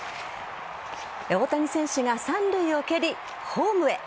大谷選手が三塁を蹴りホームへ。